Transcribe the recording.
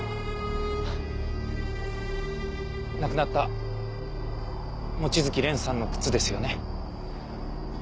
亡くなった望月蓮さんの靴ですよね？